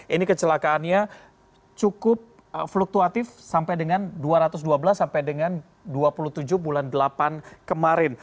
ini kecelakaannya cukup fluktuatif sampai dengan dua ratus dua belas sampai dengan dua puluh tujuh bulan delapan kemarin